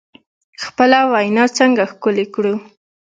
خپله وینا څنګه ښکلې کړو؟